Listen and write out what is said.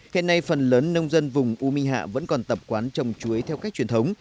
kể nay phần lớn nông dân vùng uminha vẫn còn tập quán trồng chuối theo cách truyền thống